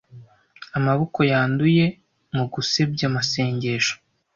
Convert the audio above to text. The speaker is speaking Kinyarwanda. Amaboko yanduye mugusebya amasengesho,